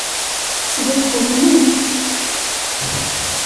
Sliɣ tuḍnemt.